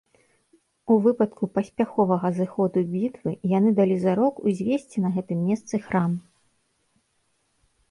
У выпадку паспяховага зыходу бітвы яны далі зарок узвесці на гэтым месцы храм.